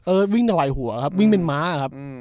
วิ่งถวายหัวครับวิ่งเป็นม้าครับ